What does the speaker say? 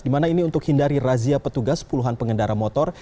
dimana ini untuk hindari razia petugas puluhan pengendara motor